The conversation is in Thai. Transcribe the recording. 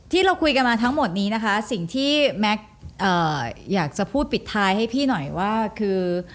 ที่เราคุยกันมาทั้งหมดนี้นะคะสิ่งที่แม็กซ์อยากจะพูดปิดท้ายให้พี่หน่อยว่าคือ